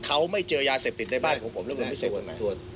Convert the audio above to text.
เขาไม่เจอยาเสพติดในบ้านของผมแล้วผมมีส่วนไหม